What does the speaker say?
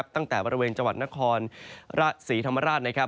ตั้งแต่บริเวณจังหวัดนครศรีธรรมราช